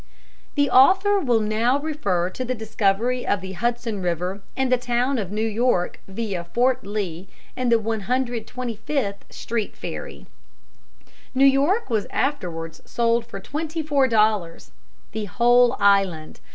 The author will now refer to the discovery of the Hudson River and the town of New York via Fort Lee and the 125th Street Ferry. New York was afterwards sold for twenty four dollars, the whole island.